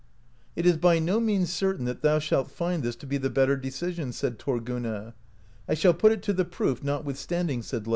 "It is by no means certain that thou shalt find this to be the better decision," said Thorgunna. "I shall put it to the proof, notwithstanding," said Leif.